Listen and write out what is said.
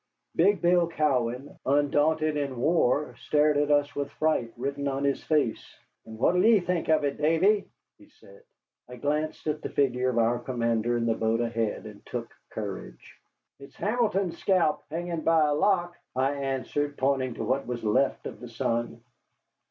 Big Bill Cowan, undaunted in war, stared at me with fright written on his face. "And what 'll ye think of it, Davy?" he said. I glanced at the figure of our commander in the boat ahead, and took courage. "It's Hamilton's scalp hanging by a lock," I answered, pointing to what was left of the sun.